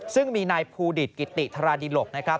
ซึ่งมีนายภูดิตกิติธาราดิหลกนะครับ